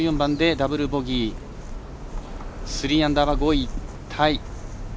ダブルボギー３アンダーは５位タイ。